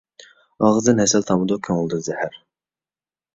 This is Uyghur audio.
ئاغزىدىن ھەسەل تامىدۇ، كۆڭلىدىن زەھەر.